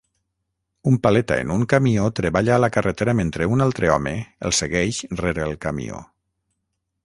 Un paleta en un camió treballa a la carretera mentre un altre home el segueix rere el camió.